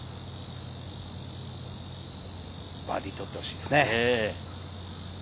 バーディー、取ってほしいですね。